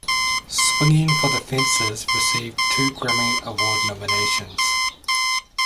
"Swingin' for the Fences" received two Grammy Award nominations.